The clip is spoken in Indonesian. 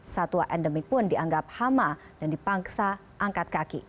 satwa endemik pun dianggap hama dan dipaksa angkat kaki